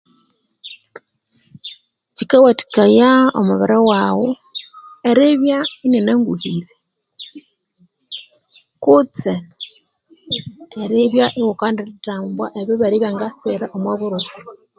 Kyikawathiya omubiri waghu eribya inyananguhire kutse eribya ighukendithambwa ebilhwere ebyangasira omwa buroffu